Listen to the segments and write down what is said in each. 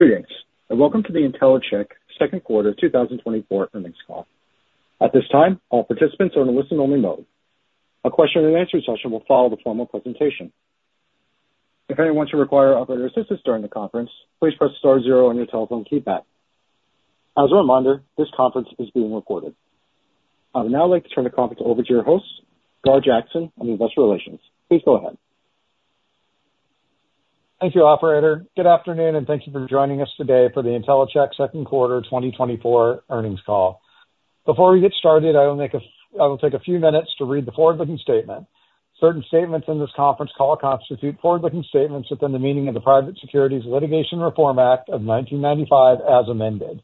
Greetings, and welcome to the Intellicheck Second Quarter 2024 Earnings Call. At this time, all participants are in a listen-only mode. A question-and-answer session will follow the formal presentation. If anyone should require operator assistance during the conference, please press star zero on your telephone keypad. As a reminder, this conference is being recorded. I would now like to turn the conference over to your host, Gar Jackson, Investor Relations. Please go ahead. Thank you, operator. Good afternoon, and thank you for joining us today for the Intellicheck second quarter 2024 earnings call. Before we get started, I will take a few minutes to read the forward-looking statement. Certain statements in this conference call constitute forward-looking statements within the meaning of the Private Securities Litigation Reform Act of 1995, as amended.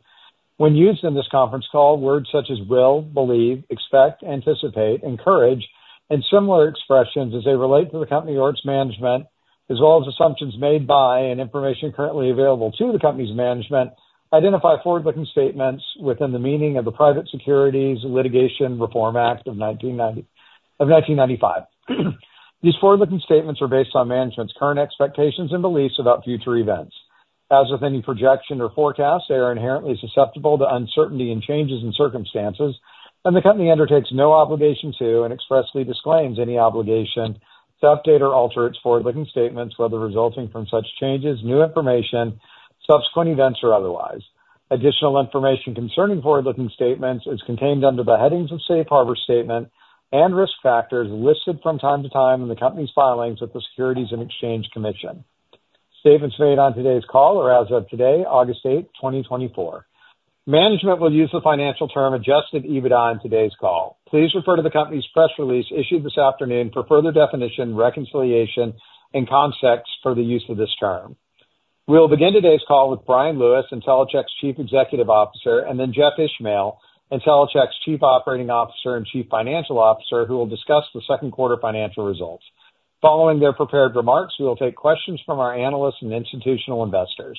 When used in this conference call, words such as will, believe, expect, anticipate, encourage, and similar expressions as they relate to the company or its management, as well as assumptions made by and information currently available to the company's management, identify forward-looking statements within the meaning of the Private Securities Litigation Reform Act of 1995. These forward-looking statements are based on management's current expectations and beliefs about future events. As with any projection or forecast, they are inherently susceptible to uncertainty and changes in circumstances, and the company undertakes no obligation to and expressly disclaims any obligation to update or alter its forward-looking statements, whether resulting from such changes, new information, subsequent events, or otherwise. Additional information concerning forward-looking statements is contained under the headings of Safe Harbor Statement and Risk Factors listed from time to time in the company's filings with the Securities and Exchange Commission. Statements made on today's call are as of today, August 8, 2024. Management will use the financial term Adjusted EBITDA on today's call. Please refer to the company's press release issued this afternoon for further definition, reconciliation, and context for the use of this term. We'll begin today's call with Bryan Lewis, Intellicheck's Chief Executive Officer, and then Jeff Ishmael, Intellicheck's Chief Operating Officer and Chief Financial Officer, who will discuss the second quarter financial results. Following their prepared remarks, we will take questions from our analysts and institutional investors.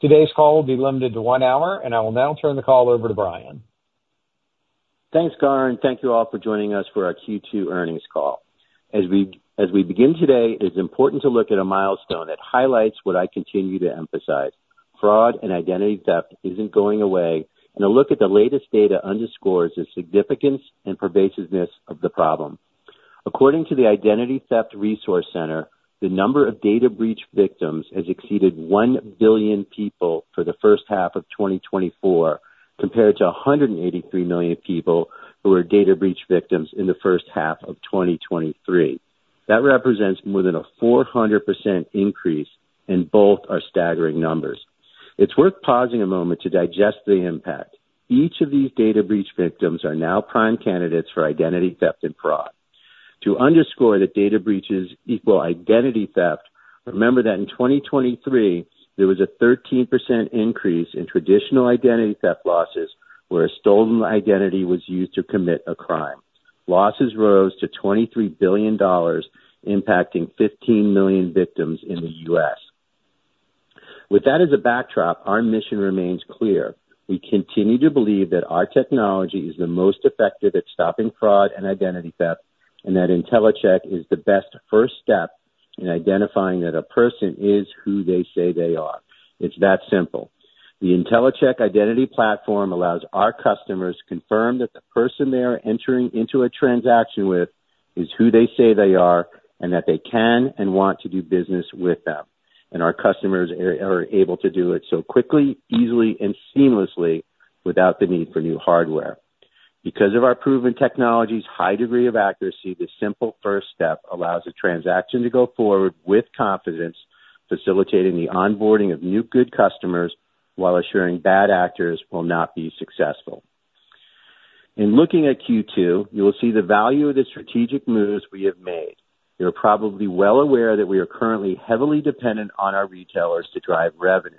Today's call will be limited to one hour, and I will now turn the call over to Brian. Thanks, Garr, and thank you all for joining us for our Q2 earnings call. As we begin today, it is important to look at a milestone that highlights what I continue to emphasize. Fraud and identity theft isn't going away, and a look at the latest data underscores the significance and pervasiveness of the problem. According to the Identity Theft Resource Center, the number of data breach victims has exceeded 1 billion people for the first half of 2024, compared to 183 million people who were data breach victims in the first half of 2023. That represents more than a 400% increase, and both are staggering numbers. It's worth pausing a moment to digest the impact. Each of these data breach victims are now prime candidates for identity theft and fraud. To underscore that data breaches equal identity theft, remember that in 2023, there was a 13% increase in traditional identity theft losses, where a stolen identity was used to commit a crime. Losses rose to $23 billion, impacting 15 million victims in the U.S. With that as a backdrop, our mission remains clear. We continue to believe that our technology is the most effective at stopping fraud and identity theft, and that Intellicheck is the best first step in identifying that a person is who they say they are. It's that simple. The Intellicheck Identity Platform allows our customers to confirm that the person they are entering into a transaction with is who they say they are, and that they can and want to do business with them, and our customers are able to do it so quickly, easily, and seamlessly without the need for new hardware. Because of our proven technology's high degree of accuracy, this simple first step allows a transaction to go forward with confidence, facilitating the onboarding of new good customers while assuring bad actors will not be successful. In looking at Q2, you will see the value of the strategic moves we have made. You're probably well aware that we are currently heavily dependent on our retailers to drive revenue.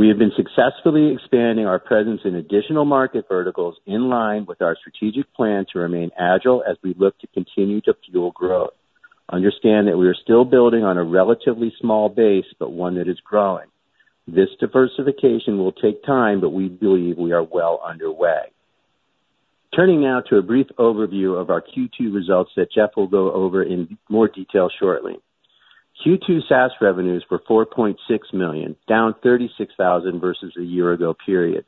We have been successfully expanding our presence in additional market verticals in line with our strategic plan to remain agile as we look to continue to fuel growth. Understand that we are still building on a relatively small base, but one that is growing. This diversification will take time, but we believe we are well underway. Turning now to a brief overview of our Q2 results that Jeff will go over in more detail shortly. Q2 SaaS revenues were $4.6 million, down $36,000 versus a year ago period.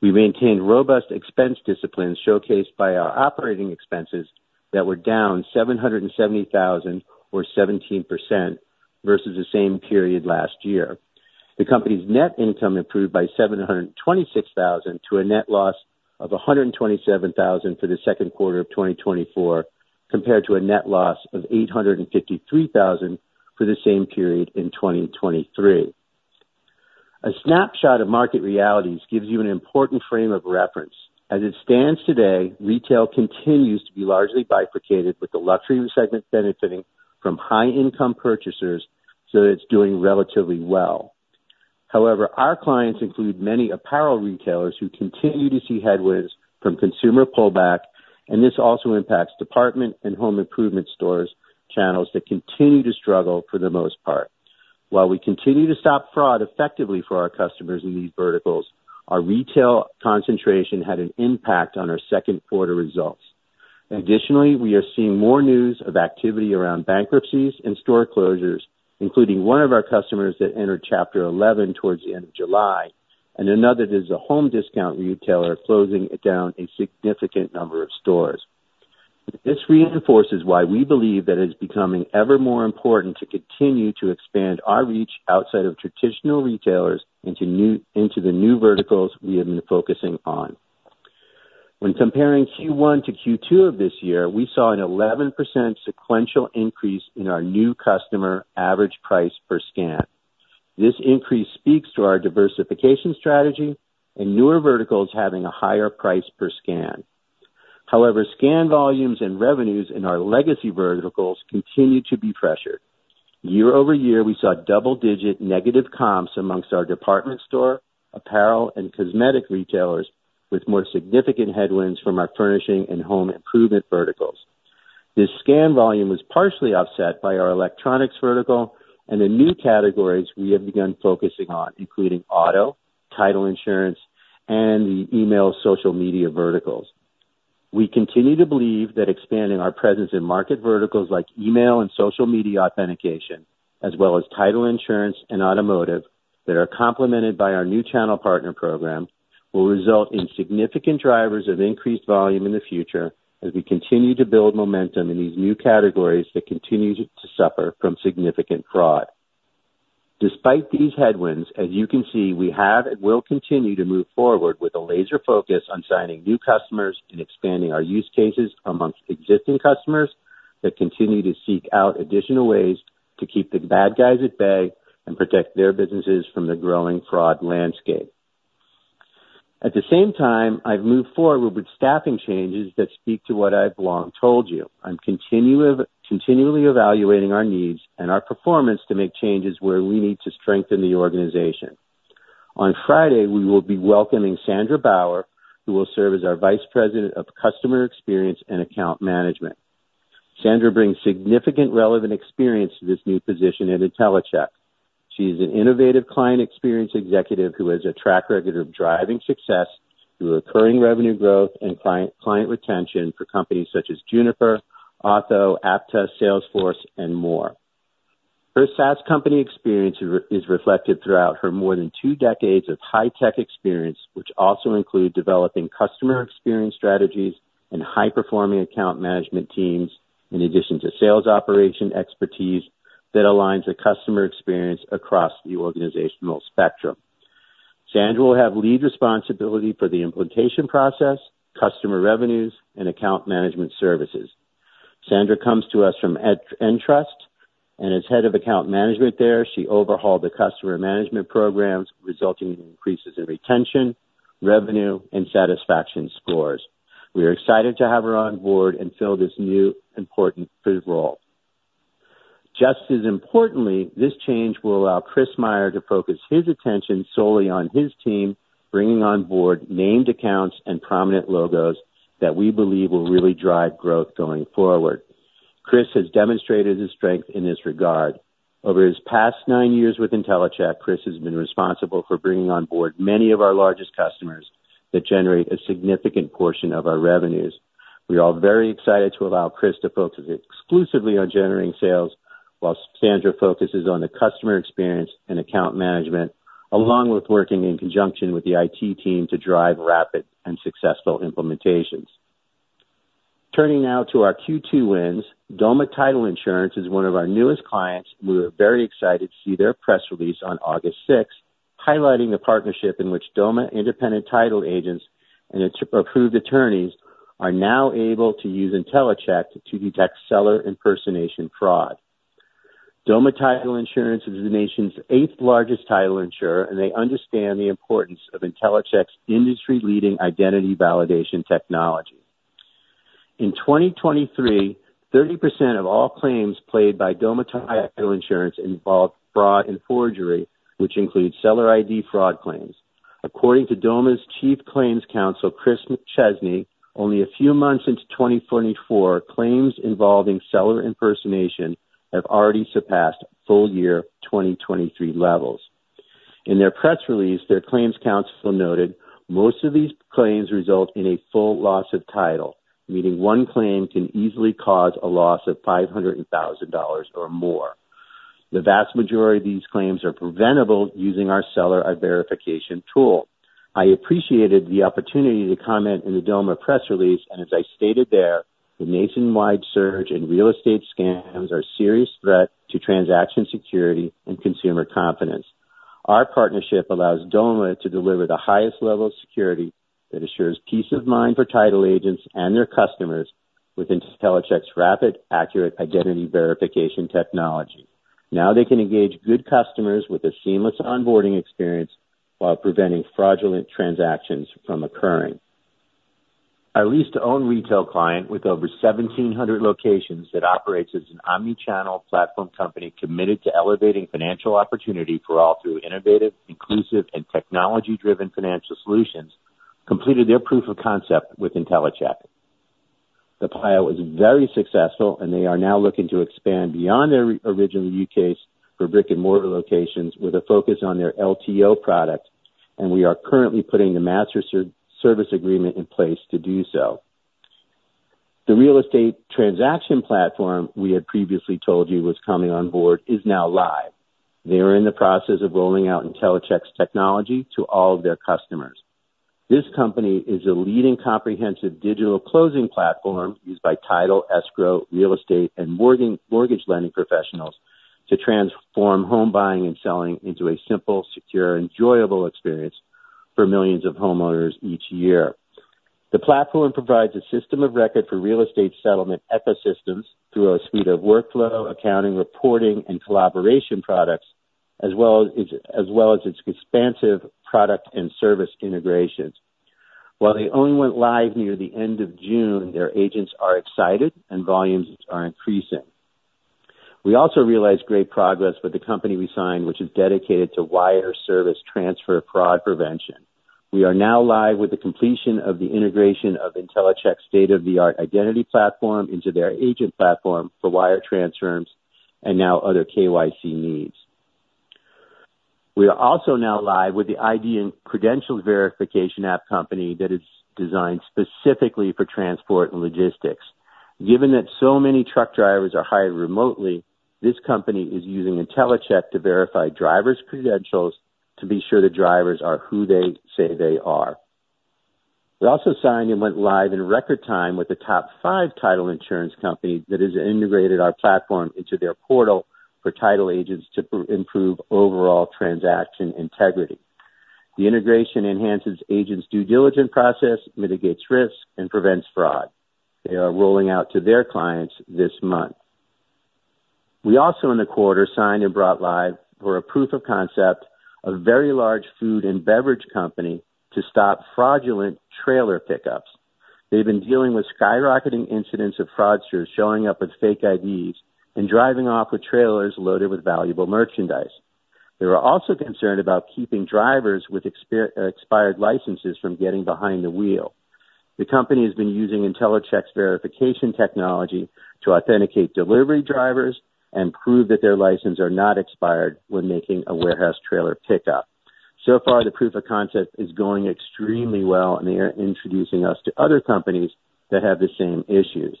We maintained robust expense discipline, showcased by our operating expenses that were down $770,000, or 17%, versus the same period last year. The company's net income improved by $726,000, to a net loss of $127,000 for the second quarter of 2024, compared to a net loss of $853,000 for the same period in 2023. A snapshot of market realities gives you an important frame of reference. As it stands today, retail continues to be largely bifurcated, with the luxury segment benefiting from high income purchasers, so it's doing relatively well. However, our clients include many apparel retailers who continue to see headwinds from consumer pullback, and this also impacts department and home improvement stores, channels that continue to struggle for the most part. While we continue to stop fraud effectively for our customers in these verticals, our retail concentration had an impact on our second quarter results.... Additionally, we are seeing more news of activity around bankruptcies and store closures, including one of our customers that entered Chapter 11 towards the end of July, and another that is a home discount retailer, closing down a significant number of stores. This reinforces why we believe that it's becoming ever more important to continue to expand our reach outside of traditional retailers into the new verticals we have been focusing on. When comparing Q1 to Q2 of this year, we saw an 11% sequential increase in our new customer average price per scan. This increase speaks to our diversification strategy and newer verticals having a higher price per scan. However, scan volumes and revenues in our legacy verticals continue to be pressured. Year-over-year, we saw double-digit negative comps among our department store, apparel, and cosmetic retailers, with more significant headwinds from our furnishing and home improvement verticals. This scan volume was partially offset by our electronics vertical and the new categories we have begun focusing on, including auto, title insurance, and the email and social media verticals. We continue to believe that expanding our presence in market verticals like email and social media authentication, as well as title insurance and automotive, that are complemented by our new channel partner program, will result in significant drivers of increased volume in the future as we continue to build momentum in these new categories that continue to suffer from significant fraud. Despite these headwinds, as you can see, we have and will continue to move forward with a laser focus on signing new customers and expanding our use cases among existing customers that continue to seek out additional ways to keep the bad guys at bay and protect their businesses from the growing fraud landscape. At the same time, I've moved forward with staffing changes that speak to what I've long told you. I'm continually evaluating our needs and our performance to make changes where we need to strengthen the organization. On Friday, we will be welcoming Sandra Bauer, who will serve as our Vice President of Customer Experience and Account Management. Sandra brings significant relevant experience to this new position at Intellicheck. She is an innovative client experience executive who has a track record of driving success through recurring revenue growth and client, client retention for companies such as Juniper, Okta, Apttus, Salesforce, and more. Her SaaS company experience is reflected throughout her more than two decades of high-tech experience, which also include developing customer experience strategies and high-performing account management teams, in addition to sales operation expertise that aligns the customer experience across the organizational spectrum. Sandra will have lead responsibility for the implementation process, customer revenues, and account management services. Sandra comes to us from Entrust, and as Head of Account Management there, she overhauled the customer management programs, resulting in increases in retention, revenue, and satisfaction scores. We are excited to have her on board and fill this new important role. Just as importantly, this change will allow Chris Meyer to focus his attention solely on his team, bringing on board named accounts and prominent logos that we believe will really drive growth going forward. Chris has demonstrated his strength in this regard. Over his past nine years with Intellicheck, Chris has been responsible for bringing on board many of our largest customers that generate a significant portion of our revenues. We are all very excited to allow Chris to focus exclusively on generating sales, while Sandra focuses on the customer experience and account management, along with working in conjunction with the IT team to drive rapid and successful implementations. Turning now to our Q2 wins. Doma Title Insurance is one of our newest clients. We were very excited to see their press release on August sixth, highlighting the partnership in which Doma independent title agents and their approved attorneys are now able to use Intellicheck to detect seller impersonation fraud. Doma Title Insurance is the nation's eighth largest title insurer, and they understand the importance of Intellicheck's industry-leading identity validation technology. In 2023, 30% of all claims paid by Doma Title Insurance involved fraud and forgery, which includes seller ID fraud claims. According to Doma's Chief Claims Counsel, Kris Chesney, only a few months into 2024, claims involving seller impersonation have already surpassed full-year 2023 levels. In their press release, their claims counsel noted, "Most of these claims result in a full loss of title, meaning one claim can easily cause a loss of $500,000 or more. The vast majority of these claims are preventable using our seller ID verification tool." I appreciated the opportunity to comment in the Doma press release, and as I stated there, "The nationwide surge in real estate scams are a serious threat to transaction security and consumer confidence. Our partnership allows Doma to deliver the highest level of security that assures peace of mind for title agents and their customers with Intellicheck's rapid, accurate identity verification technology. Now they can engage good customers with a seamless onboarding experience while preventing fraudulent transactions from occurring." Our lease-to-own retail client with over 1,700 locations that operates as an omni-channel platform company committed to elevating financial opportunity for all through innovative, inclusive, and technology-driven financial solutions, completed their proof of concept with Intellicheck. The pilot was very successful, and they are now looking to expand beyond their original use case for brick-and-mortar locations with a focus on their LTO product, and we are currently putting the master service agreement in place to do so. The real estate transaction platform we had previously told you was coming on board is now live. They are in the process of rolling out Intellicheck's technology to all of their customers. This company is a leading comprehensive digital closing platform used by title, escrow, real estate, and mortgage lending professionals to transform home buying and selling into a simple, secure, enjoyable experience for millions of homeowners each year. The platform provides a system of record for real estate settlement ecosystems through a suite of workflow, accounting, reporting, and collaboration products, as well as its expansive product and service integrations. While they only went live near the end of June, their agents are excited and volumes are increasing. We also realized great progress with the company we signed, which is dedicated to wire service transfer fraud prevention. We are now live with the completion of the integration of Intellicheck's state-of-the-art identity platform into their agent platform for wire transfers and now other KYC needs. We are also now live with the ID and credential verification app company that is designed specifically for transport and logistics. Given that so many truck drivers are hired remotely, this company is using Intellicheck to verify drivers' credentials to be sure the drivers are who they say they are. We also signed and went live in record time with the top five title insurance company that has integrated our platform into their portal for title agents to improve overall transaction integrity. The integration enhances agents' due diligence process, mitigates risk, and prevents fraud. They are rolling out to their clients this month. We also, in the quarter, signed and brought live for a proof of concept, a very large food and beverage company to stop fraudulent trailer pickups. They've been dealing with skyrocketing incidents of fraudsters showing up with fake IDs and driving off with trailers loaded with valuable merchandise. They were also concerned about keeping drivers with expired licenses from getting behind the wheel. The company has been using Intellicheck's verification technology to authenticate delivery drivers and prove that their license are not expired when making a warehouse trailer pickup. So far, the proof of concept is going extremely well, and they are introducing us to other companies that have the same issues.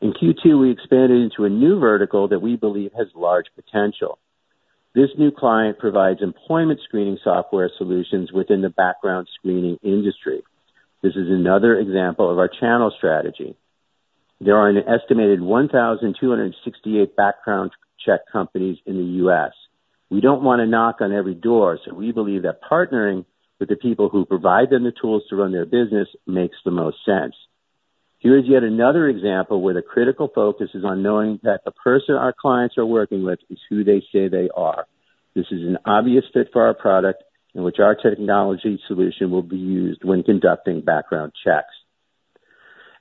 In Q2, we expanded into a new vertical that we believe has large potential. This new client provides employment screening software solutions within the background screening industry. This is another example of our channel strategy. There are an estimated 1,268 background check companies in the US. We don't want to knock on every door, so we believe that partnering with the people who provide them the tools to run their business makes the most sense. Here is yet another example where the critical focus is on knowing that the person our clients are working with is who they say they are. This is an obvious fit for our product in which our technology solution will be used when conducting background checks.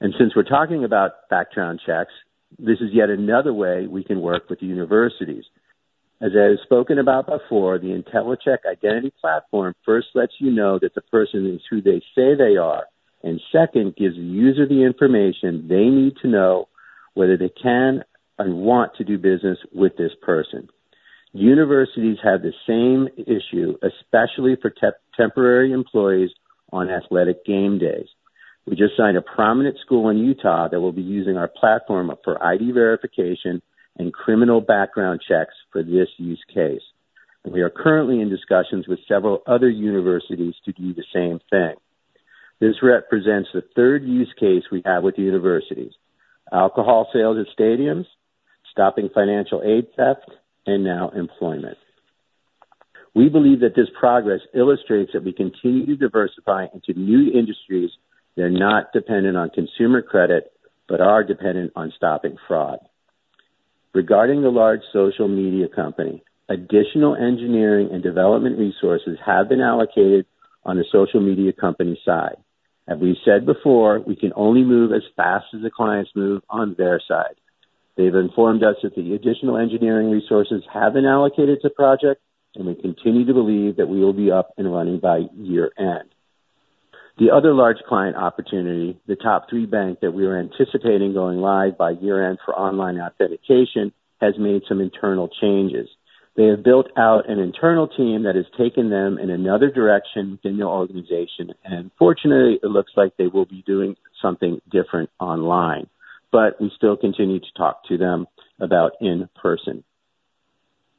Since we're talking about background checks, this is yet another way we can work with universities. As I have spoken about before, the Intellicheck identity platform first lets you know that the person is who they say they are, and second, gives the user the information they need to know whether they can and want to do business with this person. Universities have the same issue, especially for temporary employees on athletic game days. We just signed a prominent school in Utah that will be using our platform for ID verification and criminal background checks for this use case. We are currently in discussions with several other universities to do the same thing. This represents the third use case we have with the universities: alcohol sales at stadiums, stopping financial aid theft, and now employment. We believe that this progress illustrates that we continue to diversify into new industries that are not dependent on consumer credit, but are dependent on stopping fraud. Regarding the large social media company, additional engineering and development resources have been allocated on the social media company side. As we said before, we can only move as fast as the clients move on their side. They've informed us that the additional engineering resources have been allocated to project, and we continue to believe that we will be up and running by year-end. The other large client opportunity, the top three bank that we are anticipating going live by year-end for online authentication, has made some internal changes. They have built out an internal team that has taken them in another direction within the organization, and fortunately, it looks like they will be doing something different online. But we still continue to talk to them about in person.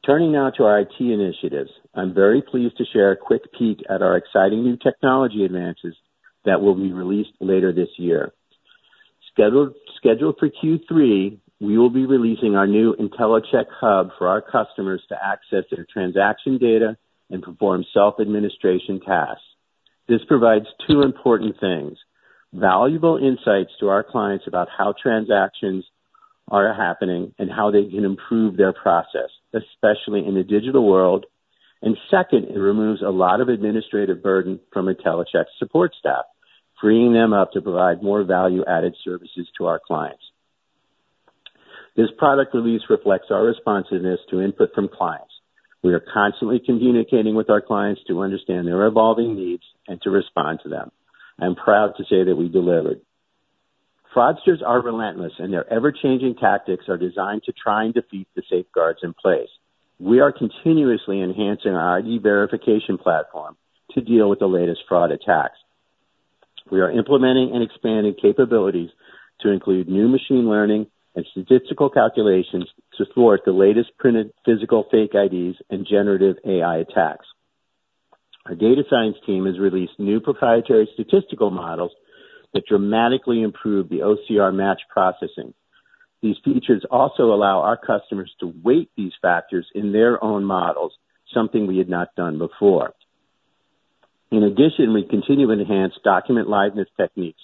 Turning now to our IT initiatives, I'm very pleased to share a quick peek at our exciting new technology advances that will be released later this year. Scheduled for Q3, we will be releasing our new Intellicheck Hub for our customers to access their transaction data and perform self-administration tasks. This provides two important things: valuable insights to our clients about how transactions are happening and how they can improve their process, especially in the digital world. And second, it removes a lot of administrative burden from Intellicheck's support staff, freeing them up to provide more value-added services to our clients. This product release reflects our responsiveness to input from clients. We are constantly communicating with our clients to understand their evolving needs and to respond to them. I'm proud to say that we delivered.... Fraudsters are relentless, and their ever-changing tactics are designed to try and defeat the safeguards in place. We are continuously enhancing our ID verification platform to deal with the latest fraud attacks. We are implementing and expanding capabilities to include new machine learning and statistical calculations to thwart the latest printed physical fake IDs and generative AI attacks. Our data science team has released new proprietary statistical models that dramatically improve the OCR match processing. These features also allow our customers to weight these factors in their own models, something we had not done before. In addition, we continue to enhance document liveness techniques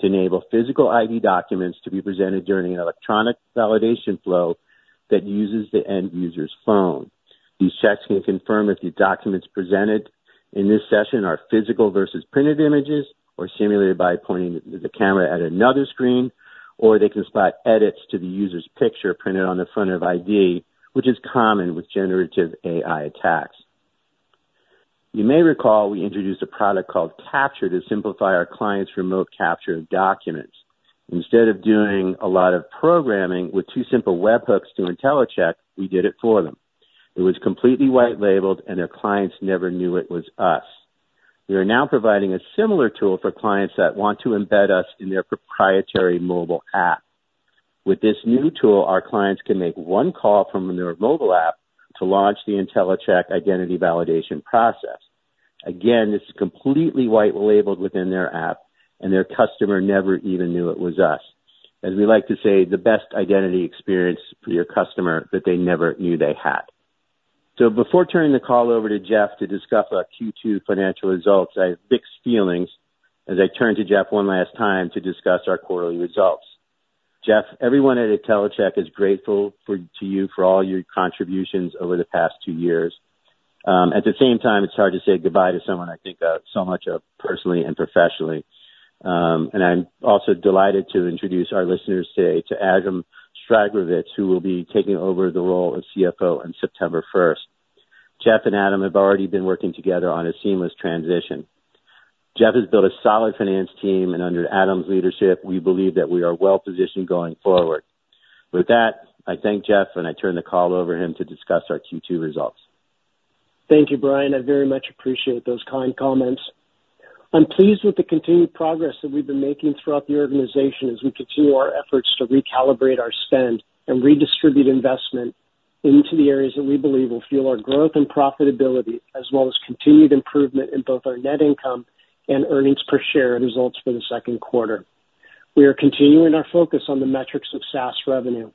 to enable physical ID documents to be presented during an electronic validation flow that uses the end user's phone. These checks can confirm if the documents presented in this session are physical versus printed images, or simulated by pointing the camera at another screen, or they can spot edits to the user's picture printed on the front of ID, which is common with generative AI attacks. You may recall we introduced a product called Capture to simplify our clients' remote capture of documents. Instead of doing a lot of programming with two simple webhooks to Intellicheck, we did it for them. It was completely white labeled, and their clients never knew it was us. We are now providing a similar tool for clients that want to embed us in their proprietary mobile app. With this new tool, our clients can make one call from their mobile app to launch the Intellicheck identity validation process. Again, this is completely white labeled within their app, and their customer never even knew it was us. As we like to say, the best identity experience for your customer that they never knew they had. So before turning the call over to Jeff to discuss our Q2 financial results, I have mixed feelings as I turn to Jeff one last time to discuss our quarterly results. Jeff, everyone at Intellicheck is grateful to you for all your contributions over the past two years. At the same time, it's hard to say goodbye to someone I think of so much of personally and professionally. And I'm also delighted to introduce our listeners today to Adam Sragovicz, who will be taking over the role of CFO on September first. Jeff and Adam have already been working together on a seamless transition. Jeff has built a solid finance team, and under Adam's leadership, we believe that we are well positioned going forward. With that, I thank Jeff, and I turn the call over to him to discuss our Q2 results. Thank you, Brian. I very much appreciate those kind comments. I'm pleased with the continued progress that we've been making throughout the organization as we continue our efforts to recalibrate our spend and redistribute investment into the areas that we believe will fuel our growth and profitability, as well as continued improvement in both our net income and earnings per share results for the second quarter. We are continuing our focus on the metrics of SaaS revenue.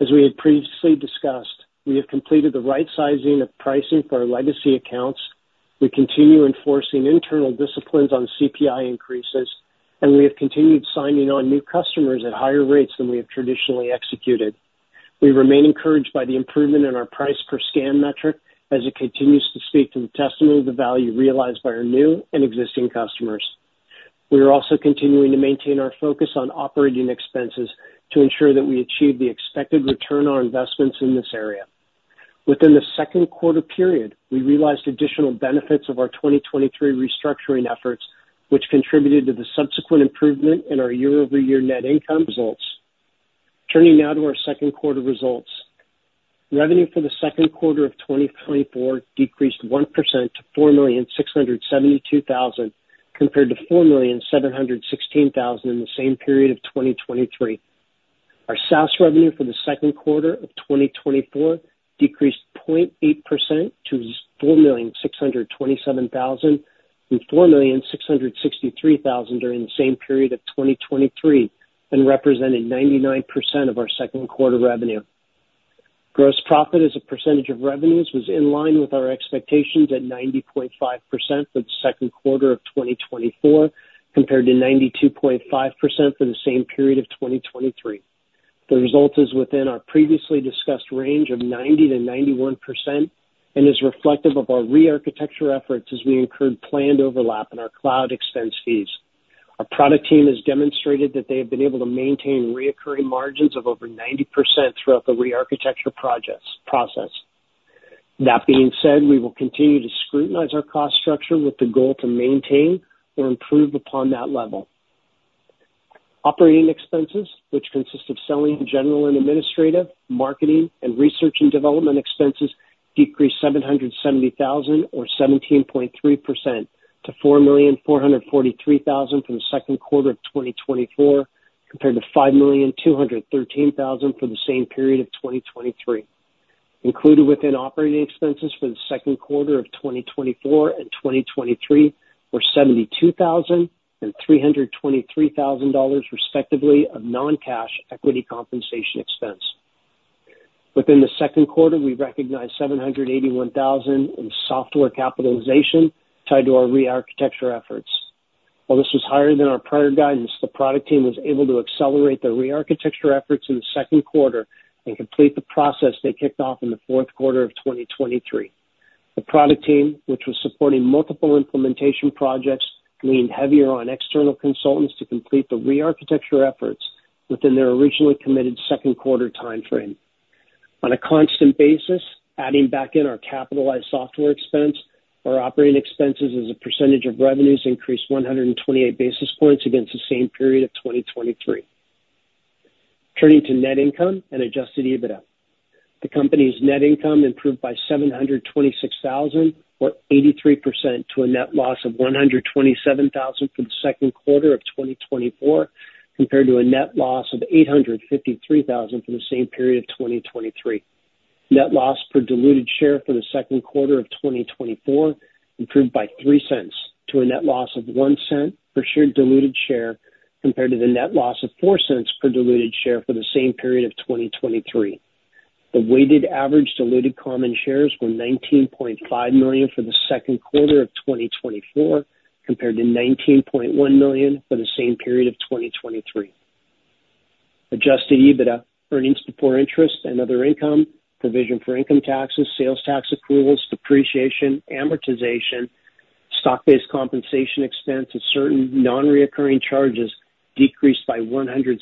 As we had previously discussed, we have completed the right sizing of pricing for our legacy accounts. We continue enforcing internal disciplines on CPI increases, and we have continued signing on new customers at higher rates than we have traditionally executed. We remain encouraged by the improvement in our price per scan metric as it continues to speak to the testimony of the value realized by our new and existing customers. We are also continuing to maintain our focus on operating expenses to ensure that we achieve the expected return on investments in this area. Within the second quarter period, we realized additional benefits of our 2023 restructuring efforts, which contributed to the subsequent improvement in our year-over-year net income results. Turning now to our second quarter results. Revenue for the second quarter of 2024 decreased 1% to $4,672,000, compared to $4,716,000 in the same period of 2023. Our SaaS revenue for the second quarter of 2024 decreased 0.8% to $4,627,000 from $4,663,000 during the same period of 2023, and representing 99% of our second quarter revenue. Gross profit as a percentage of revenues was in line with our expectations at 90.5% for the second quarter of 2024, compared to 92.5% for the same period of 2023. The result is within our previously discussed range of 90%-91% and is reflective of our rearchitecture efforts as we incurred planned overlap in our cloud expense fees. Our product team has demonstrated that they have been able to maintain recurring margins of over 90% throughout the rearchitecture projects process. That being said, we will continue to scrutinize our cost structure with the goal to maintain or improve upon that level. Operating expenses, which consist of selling, general, and administrative, marketing, and research and development expenses, decreased $770,000 or 17.3% to $4,443,000 for the second quarter of 2024, compared to $5,213,000 for the same period of 2023. Included within operating expenses for the second quarter of 2024 and 2023 were $72,000 and $323,000, respectively, of non-cash equity compensation expense. Within the second quarter, we recognized $781,000 in software capitalization tied to our rearchitecture efforts. While this was higher than our prior guidance, the product team was able to accelerate their rearchitecture efforts in the second quarter and complete the process they kicked off in the fourth quarter of 2023. The product team, which was supporting multiple implementation projects, leaned heavier on external consultants to complete the rearchitecture efforts within their originally committed second quarter timeframe.... On a constant basis, adding back in our capitalized software expense, our operating expenses as a percentage of revenues increased 128 basis points against the same period of 2023. Turning to net income and Adjusted EBITDA. The company's net income improved by $726,000, or 83%, to a net loss of $127,000 for the second quarter of 2024, compared to a net loss of $853,000 for the same period of 2023. Net loss per diluted share for the second quarter of 2024 improved by $0.03, to a net loss of $0.01 per diluted share, compared to the net loss of $0.04 per diluted share for the same period of 2023. The weighted average diluted common shares were 19.5 million for the second quarter of 2024, compared to 19.1 million for the same period of 2023. Adjusted EBITDA, earnings before interest and other income, provision for income taxes, sales tax accruals, depreciation, amortization, stock-based compensation expense, and certain non-recurring charges decreased by $106,000,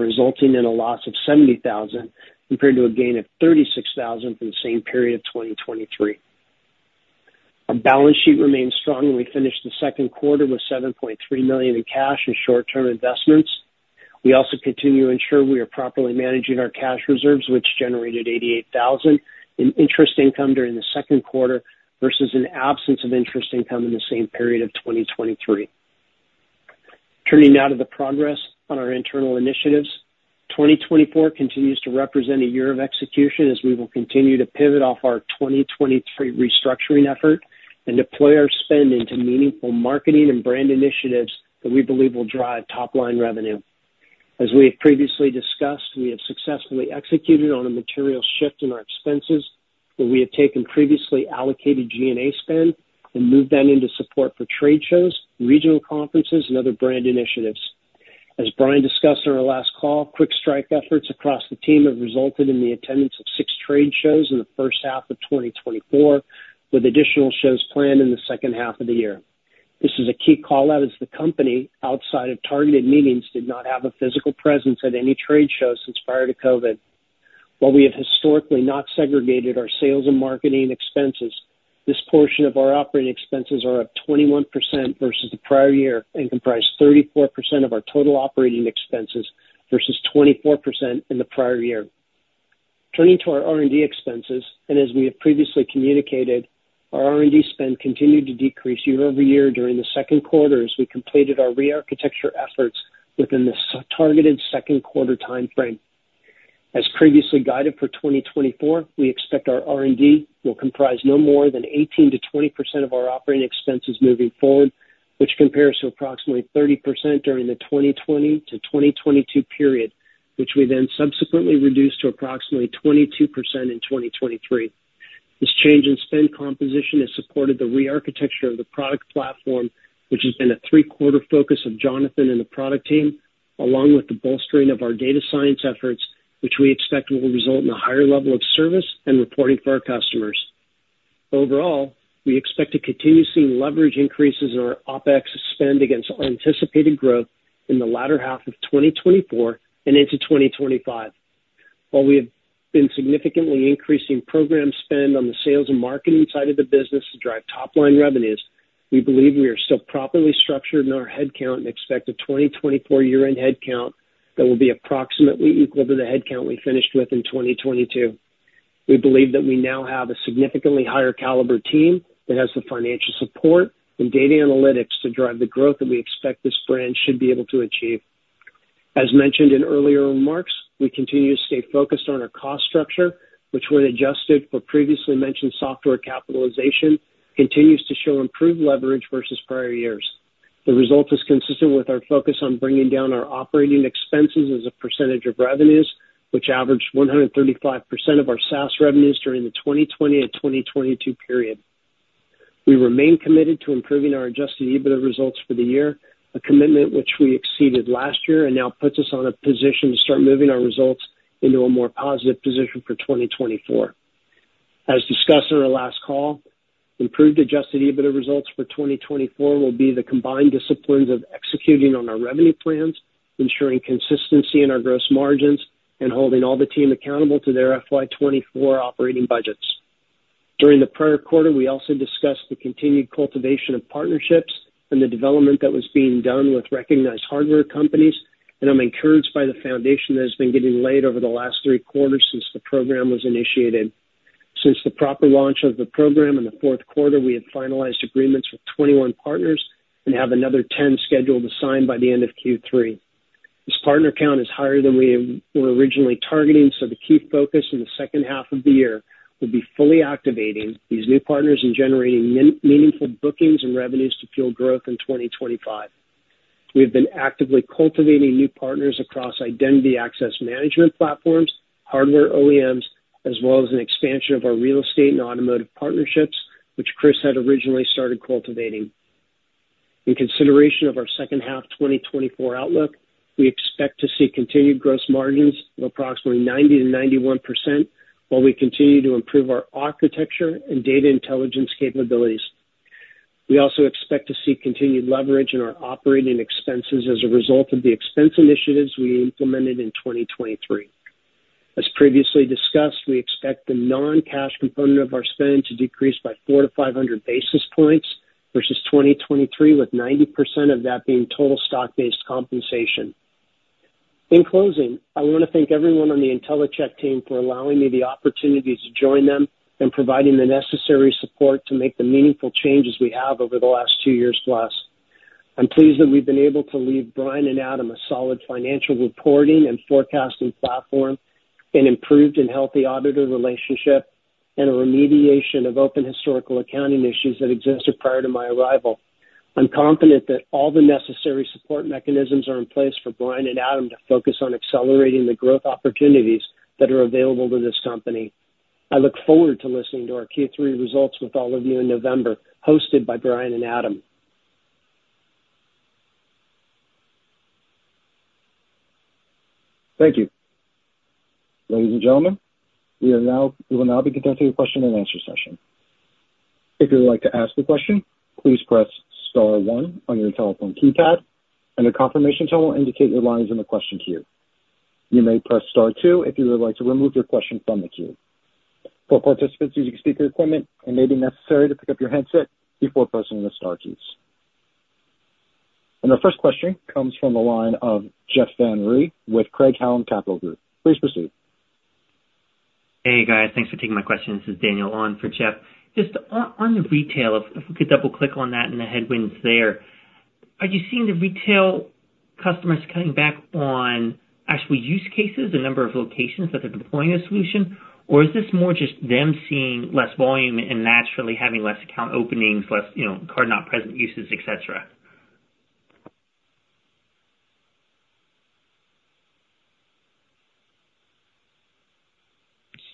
resulting in a loss of $70,000, compared to a gain of $36,000 for the same period of 2023. Our balance sheet remains strong, and we finished the second quarter with $7.3 million in cash and short-term investments. We also continue to ensure we are properly managing our cash reserves, which generated $88,000 in interest income during the second quarter, versus an absence of interest income in the same period of 2023. Turning now to the progress on our internal initiatives. 2024 continues to represent a year of execution, as we will continue to pivot off our 2023 restructuring effort and deploy our spending to meaningful marketing and brand initiatives that we believe will drive top line revenue. As we have previously discussed, we have successfully executed on a material shift in our expenses, where we have taken previously allocated G&A spend and moved that into support for trade shows, regional conferences, and other brand initiatives. As Brian discussed on our last call, Quick Strike efforts across the team have resulted in the attendance of 6 trade shows in the first half of 2024, with additional shows planned in the second half of the year. This is a key call-out, as the company, outside of targeted meetings, did not have a physical presence at any trade show since prior to COVID. While we have historically not segregated our sales and marketing expenses, this portion of our operating expenses are up 21% versus the prior year and comprise 34% of our total operating expenses, versus 24% in the prior year. Turning to our R&D expenses, and as we have previously communicated, our R&D spend continued to decrease year-over-year during the second quarter as we completed our rearchitecture efforts within the targeted second quarter timeframe. As previously guided for 2024, we expect our R&D will comprise no more than 18%-20% of our operating expenses moving forward, which compares to approximately 30% during the 2020-2022 period, which we then subsequently reduced to approximately 22% in 2023. This change in spend composition has supported the rearchitecture of the product platform, which has been a three-quarter focus of Jonathan and the product team, along with the bolstering of our data science efforts, which we expect will result in a higher level of service and reporting for our customers. Overall, we expect to continue seeing leverage increases in our OpEx spend against anticipated growth in the latter half of 2024 and into 2025. While we have been significantly increasing program spend on the sales and marketing side of the business to drive top line revenues, we believe we are still properly structured in our headcount and expect a 2024 year-end headcount that will be approximately equal to the headcount we finished with in 2022. We believe that we now have a significantly higher caliber team that has the financial support and data analytics to drive the growth that we expect this brand should be able to achieve. As mentioned in earlier remarks, we continue to stay focused on our cost structure, which, when adjusted for previously mentioned software capitalization, continues to show improved leverage versus prior years. The result is consistent with our focus on bringing down our operating expenses as a percentage of revenues, which averaged 135% of our SaaS revenues during the 2020 and 2022 period. We remain committed to improving our Adjusted EBITDA results for the year, a commitment which we exceeded last year and now puts us on a position to start moving our results into a more positive position for 2024. As discussed in our last call, improved Adjusted EBITDA results for 2024 will be the combined disciplines of executing on our revenue plans, ensuring consistency in our gross margins, and holding all the team accountable to their FY 2024 operating budgets. During the prior quarter, we also discussed the continued cultivation of partnerships and the development that was being done with recognized hardware companies, and I'm encouraged by the foundation that has been getting laid over the last three quarters since the program was initiated. Since the proper launch of the program in the fourth quarter, we have finalized agreements with 21 partners and have another 10 scheduled to sign by the end of Q3. This partner count is higher than we were originally targeting, so the key focus in the second half of the year will be fully activating these new partners and generating meaningful bookings and revenues to fuel growth in 2025. We have been actively cultivating new partners across identity access management platforms, hardware OEMs, as well as an expansion of our real estate and automotive partnerships, which Chris had originally started cultivating. In consideration of our second half 2024 outlook, we expect to see continued gross margins of approximately 90%-91%, while we continue to improve our architecture and data intelligence capabilities.... We also expect to see continued leverage in our operating expenses as a result of the expense initiatives we implemented in 2023. As previously discussed, we expect the non-cash component of our spend to decrease by 400-500 basis points, versus 2023, with 90% of that being total stock-based compensation. In closing, I want to thank everyone on the Intellicheck team for allowing me the opportunity to join them and providing the necessary support to make the meaningful changes we have over the last two years plus. I'm pleased that we've been able to leave Brian and Adam a solid financial reporting and forecasting platform, an improved and healthy auditor relationship, and a remediation of open historical accounting issues that existed prior to my arrival. I'm confident that all the necessary support mechanisms are in place for Brian and Adam to focus on accelerating the growth opportunities that are available to this company. I look forward to listening to our Q3 results with all of you in November, hosted by Brian and Adam. Thank you. Ladies and gentlemen, we will now be conducting a question and answer session. If you would like to ask a question, please press star one on your telephone keypad, and a confirmation tone will indicate your line is in the question queue. You may press star two if you would like to remove your question from the queue. For participants using speaker phone, it may be necessary to pick up your headset before pressing the star keys. Our first question comes from the line of Jeff Van Rhee with Craig-Hallum Capital Group. Please proceed. Hey, guys. Thanks for taking my question. This is Daniel on for Jeff. Just on the retail, if we could double click on that and the headwinds there, are you seeing the retail customers cutting back on actual use cases, the number of locations that they're deploying the solution? Or is this more just them seeing less volume and naturally having less account openings, less, you know, card-not-present uses, et cetera?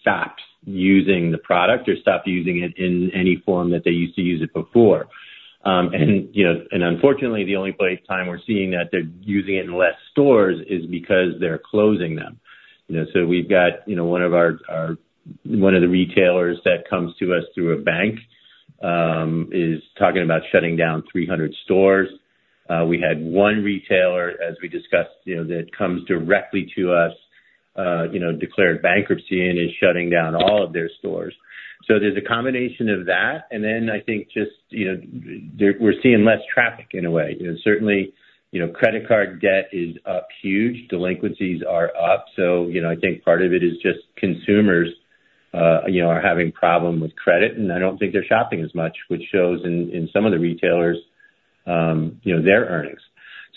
Stopped using the product or stopped using it in any form that they used to use it before. And, you know, and unfortunately, the only time we're seeing that they're using it in less stores is because they're closing them. You know, so we've got, you know, one of our one of the retailers that comes to us through a bank is talking about shutting down 300 stores. We had one retailer, as we discussed, you know, that comes directly to us, you know, declared bankruptcy and is shutting down all of their stores. So there's a combination of that, and then I think just, you know, we're seeing less traffic in a way. You know, certainly, you know, credit card debt is up huge. Delinquencies are up. So, you know, I think part of it is just consumers, you know, are having problem with credit, and I don't think they're shopping as much, which shows in some of the retailers, you know, their earnings.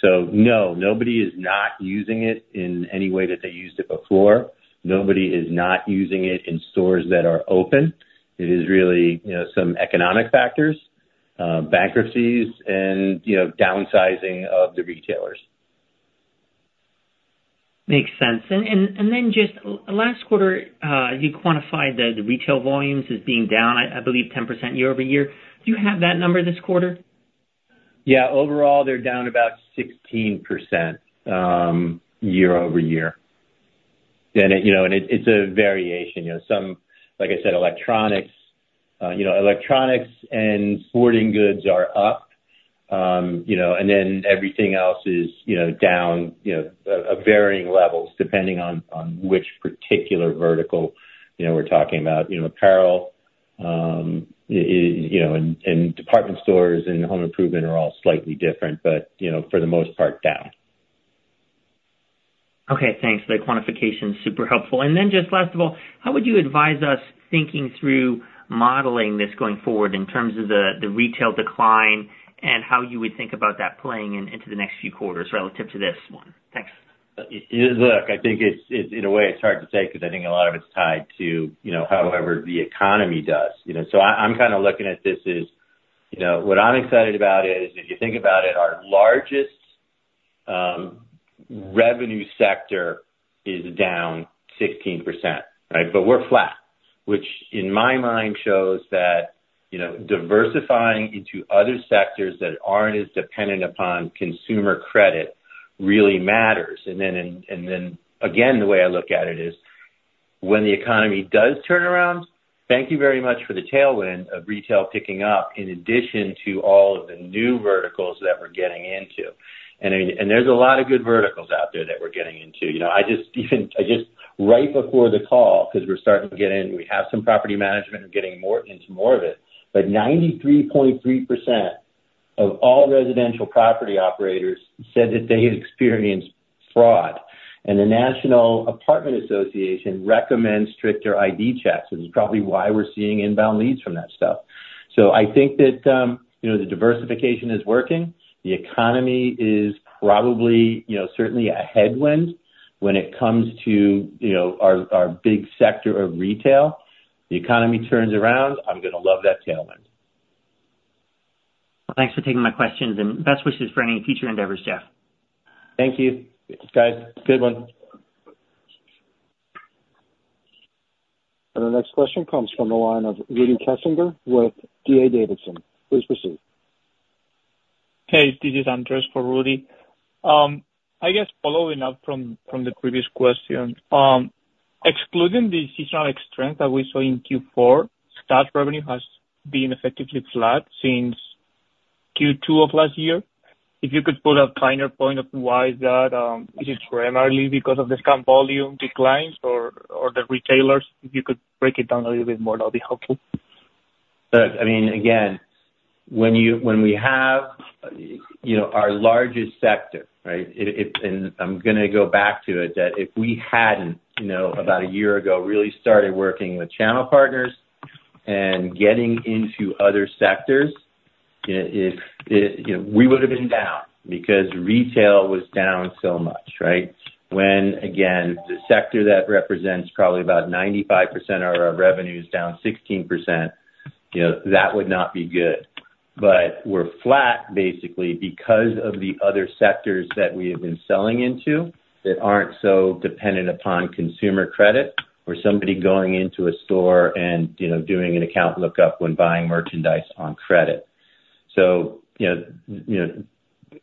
So no, nobody is not using it in any way that they used it before. Nobody is not using it in stores that are open. It is really, you know, some economic factors, bankruptcies and, you know, downsizing of the retailers. Makes sense. And then just last quarter, you quantified the retail volumes as being down, I believe, 10% year-over-year. Do you have that number this quarter? Yeah. Overall, they're down about 16%, year-over-year. And it, you know, and it, it's a variation. You know, some, like I said, electronics, you know, electronics and sporting goods are up. You know, and then everything else is, you know, down, you know, at varying levels, depending on, on which particular vertical, you know, we're talking about. You know, apparel, is, you know, and, and department stores and home improvement are all slightly different, but, you know, for the most part, down. Okay, thanks. The quantification's super helpful. And then just last of all, how would you advise us thinking through modeling this going forward in terms of the retail decline and how you would think about that playing into the next few quarters relative to this one? Thanks. Look, I think it's, in a way, it's hard to say because I think a lot of it's tied to, you know, however the economy does, you know? So I'm kind of looking at this as, you know, what I'm excited about is, if you think about it, our largest revenue sector is down 16%, right? But we're flat, which, in my mind, shows that, you know, diversifying into other sectors that aren't as dependent upon consumer credit really matters. And then, and then again, the way I look at it is, when the economy does turn around, thank you very much for the tailwind of retail picking up, in addition to all of the new verticals that we're getting into. And there's a lot of good verticals out there that we're getting into. You know, I just right before the call, because we're starting to get in, we have some property management and getting more into more of it, but 93.3% of all residential property operators said that they had experienced fraud, and the National Apartment Association recommends stricter ID checks, which is probably why we're seeing inbound leads from that stuff. So I think that, you know, the diversification is working. The economy is probably, you know, certainly a headwind when it comes to, you know, our big sector of retail. The economy turns around, I'm gonna love that tailwind. Well, thanks for taking my questions, and best wishes for any future endeavors, Jeff. Thank you. Guys, good one. The next question comes from the line of Rudy Kessinger with D.A. Davidson. Please proceed. Hey, this is Andres for Rudy. I guess following up from the previous question, excluding the seasonal strength that we saw in Q4, SaaS revenue has been effectively flat since Q2 of last year. If you could put a finer point on why is that, is it primarily because of the scam volume declines or the retailers? If you could break it down a little bit more, that'll be helpful. But I mean, again, when we have, you know, our largest sector, right? It and I'm gonna go back to it, that if we hadn't, you know, about a year ago, really started working with channel partners and getting into other sectors, it, you know, we would have been down because retail was down so much, right? When, again, the sector that represents probably about 95% of our revenue is down 16%, you know, that would not be good. But we're flat, basically, because of the other sectors that we have been selling into that aren't so dependent upon consumer credit or somebody going into a store and, you know, doing an account lookup when buying merchandise on credit. So, you know, you know,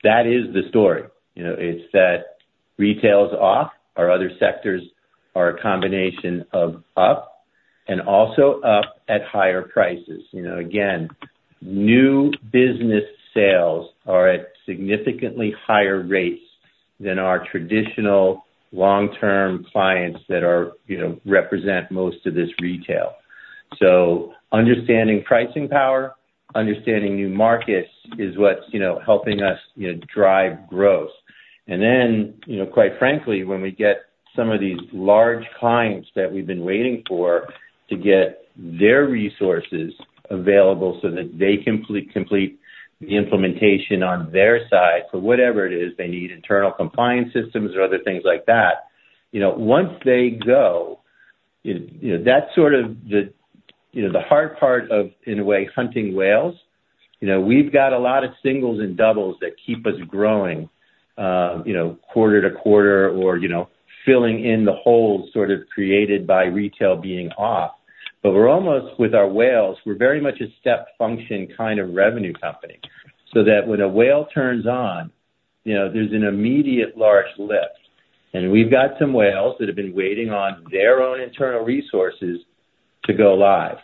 that is the story, you know, it's that retail is off, our other sectors are a combination of up and also up at higher prices. You know, again, new business sales are at significantly higher rates than our traditional long-term clients that are, you know, represent most of this retail. So understanding pricing power, understanding new markets is what's, you know, helping us, you know, drive growth. And then, you know, quite frankly, when we get some of these large clients that we've been waiting for to get their resources available so that they can complete, complete the implementation on their side for whatever it is they need, internal compliance systems or other things like that, you know, once they go, you, you know, that's sort of the, you know, the hard part of, in a way, hunting whales. You know, we've got a lot of singles and doubles that keep us growing, you know, quarter to quarter or, you know, filling in the holes sort of created by retail being off. But we're almost, with our whales, we're very much a step function kind of revenue company, so that when a whale turns on, you know, there's an immediate large lift. And we've got some whales that have been waiting on their own internal resources to go live,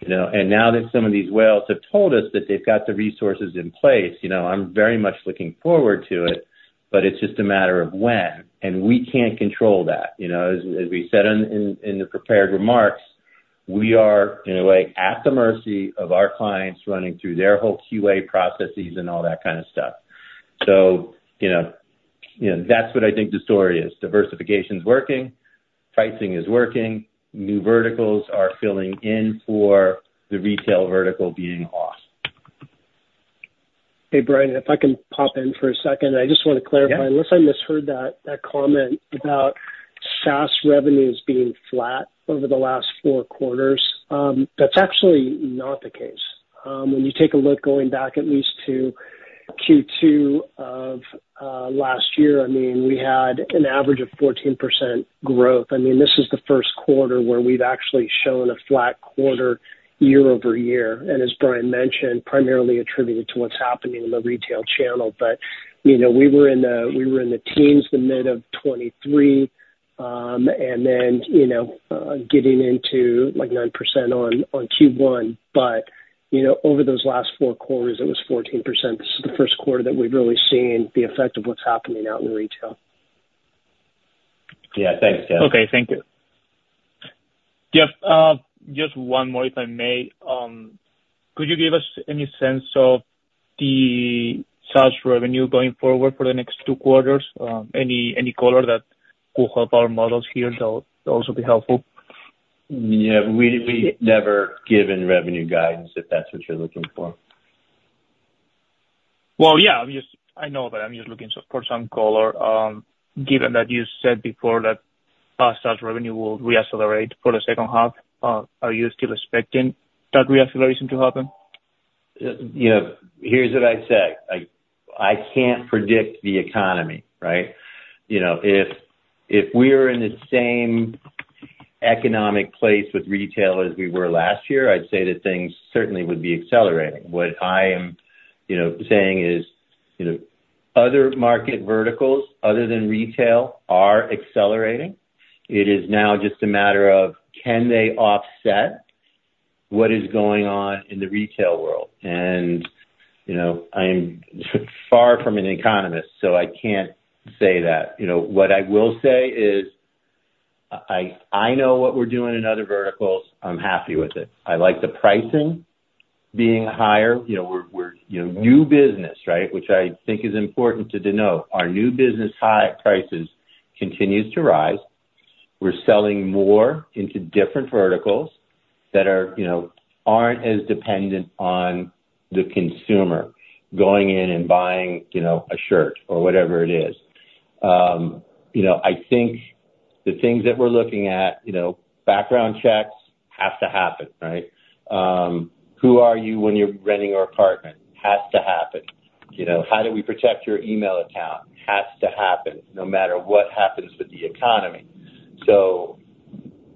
you know? And now that some of these whales have told us that they've got the resources in place, you know, I'm very much looking forward to it, but it's just a matter of when, and we can't control that. You know, as we said in the prepared remarks, we are, in a way, at the mercy of our clients running through their whole QA processes and all that kind of stuff. So, you know, you know, that's what I think the story is. Diversification's working, pricing is working, new verticals are filling in for the retail vertical being off. Hey, Brian, if I can pop in for a second. I just want to clarify- Yeah. Unless I misheard that, that comment about SaaS revenues being flat over the last 4 quarters. That's actually not the case. When you take a look going back at least to Q2 of last year, I mean, we had an average of 14% growth. I mean, this is the first quarter where we've actually shown a flat quarter year-over-year, and as Brian mentioned, primarily attributed to what's happening in the retail channel. But, you know, we were in the, we were in the teens, the mid of 2023, and then, you know, getting into like 9% on Q1. But, you know, over those last 4 quarters, it was 14%. This is the first quarter that we've really seen the effect of what's happening out in retail. Yeah. Thanks, again. Okay. Thank you. Jeff, just one more, if I may. Could you give us any sense of the SaaS revenue going forward for the next two quarters? Any color that will help our models here will also be helpful. Yeah, we never given revenue guidance, if that's what you're looking for. Well, yeah, but I'm just looking for some color. Given that you said before that our SaaS revenue will reaccelerate for the second half, are you still expecting that reacceleration to happen? You know, here's what I'd say, I can't predict the economy, right? You know, if we're in the same economic place with retail as we were last year, I'd say that things certainly would be accelerating. What I am, you know, saying is, you know, other market verticals other than retail are accelerating. It is now just a matter of, can they offset what is going on in the retail world? And, you know, I'm far from an economist, so I can't say that. You know, what I will say is, I know what we're doing in other verticals. I'm happy with it. I like the pricing being higher. You know, we're... You know, new business, right, which I think is important to denote, our new business high prices continues to rise. We're selling more into different verticals that are, you know, aren't as dependent on the consumer going in and buying, you know, a shirt or whatever it is. You know, I think the things that we're looking at, you know, background checks have to happen, right? Who are you when you're renting your apartment? Has to happen. You know, how do we protect your email account? Has to happen no matter what happens with the economy.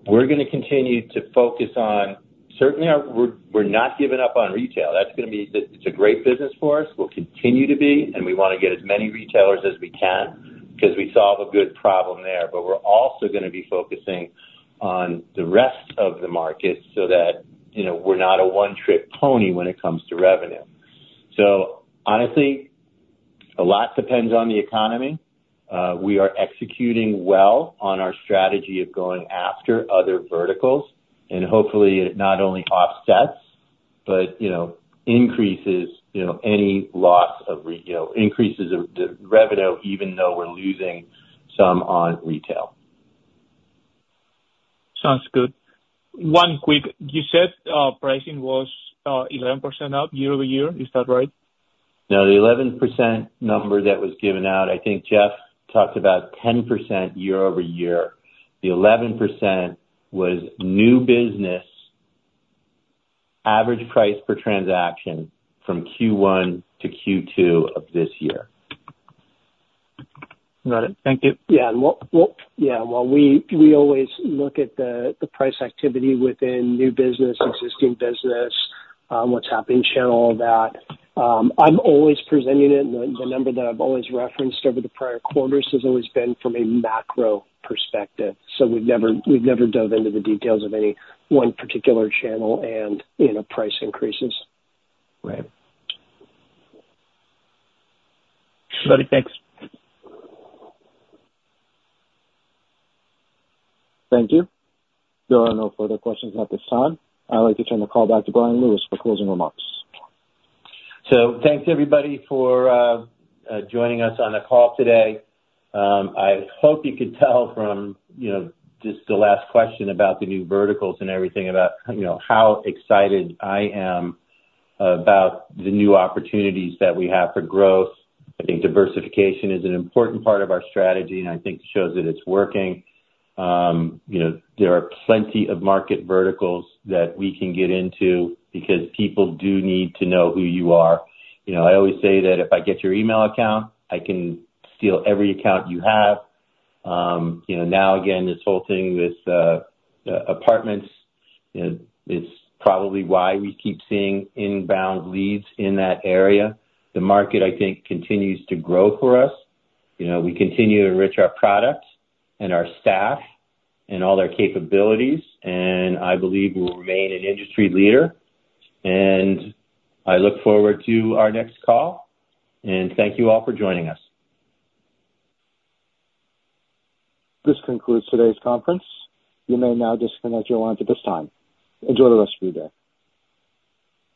We're gonna continue to focus on certainly, our, we're, we're not giving up on retail. That's gonna be, it's a great business for us, will continue to be, and we wanna get as many retailers as we can, 'cause we solve a good problem there. But we're also gonna be focusing on the rest of the market, so that, you know, we're not a one-trick pony when it comes to revenue. So honestly, a lot depends on the economy. We are executing well on our strategy of going after other verticals, and hopefully, it not only offsets but, you know, increases, you know, any loss of, you know, increases of the revenue, even though we're losing some on retail. Sounds good. One quick. You said, pricing was, 11% up year-over-year. Is that right? No, the 11% number that was given out, I think Jeff talked about 10% year-over-year. The 11% was new business, average price per transaction from Q1 to Q2 of this year. Got it. Thank you. Yeah, while we always look at the price activity within new business, existing business, what's happening, channel, all that. I'm always presenting it, and the number that I've always referenced over the prior quarters has always been from a macro perspective. So we've never dove into the details of any one particular channel and, you know, price increases. Right. Got it. Thanks. Thank you. There are no further questions at this time. I'd like to turn the call back to Brian Lewis for closing remarks. Thanks, everybody, for joining us on the call today. I hope you could tell from, you know, just the last question about the new verticals and everything about, you know, how excited I am about the new opportunities that we have for growth. I think diversification is an important part of our strategy, and I think it shows that it's working. You know, there are plenty of market verticals that we can get into because people do need to know who you are. You know, I always say that if I get your email account, I can steal every account you have. You know, now again, this whole thing with apartments, you know, is probably why we keep seeing inbound leads in that area. The market, I think, continues to grow for us. You know, we continue to enrich our products and our staff and all their capabilities, and I believe we'll remain an industry leader. I look forward to our next call, and thank you all for joining us. This concludes today's conference. You may now disconnect your lines at this time. Enjoy the rest of your day.